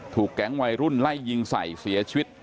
แก๊งวัยรุ่นไล่ยิงใส่เสียชีวิต